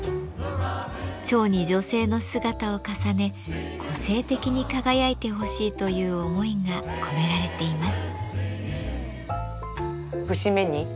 蝶に女性の姿を重ね個性的に輝いてほしいという思いが込められています。